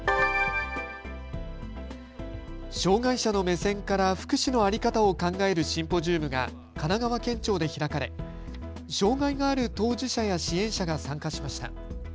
障害者の目線から福祉の在り方を考えるシンポジウムが神奈川県庁で開かれ障害がある当事者や支援者が参加しました。